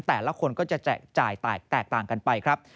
แต่ละคนก็จะจ่ายแตกต่างกันไปครับ